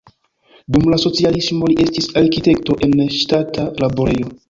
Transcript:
Dum la socialismo li estis arkitekto en ŝtata laborejo.